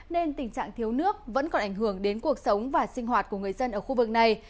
nên tình trạng thiếu nước vẫn còn ảnh hưởng đến cuộc sống và sinh hoạt của người dân ở khu vực này